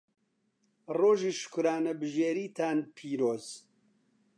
ڕۆژی شوکرانەبژێریتان پیرۆز.